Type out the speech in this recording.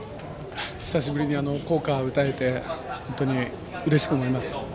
久しぶりに校歌を歌えて本当にうれしく思います。